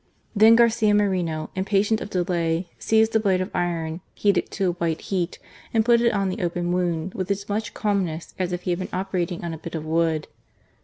Then Garcia Moreno, impatient of delay, seized a blade of iron heated to a white heat and put it on the open wound with as much calmness as if he had been operating on a bit of wood.